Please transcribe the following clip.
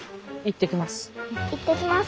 行ってきます。